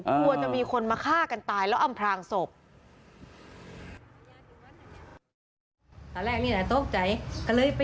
กลัวจะมีคนมาฆ่ากันตายแล้วอำพลางศพ